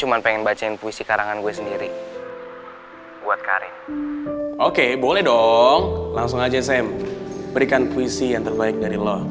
aku akan berikan puisi yang terbaik dari lo